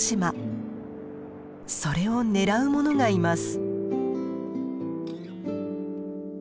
それを狙うものがいます。